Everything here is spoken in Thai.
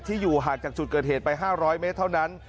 อยู่ห่างจากจุดเกิดเหตุไป๕๐๐เมตรเท่านั้น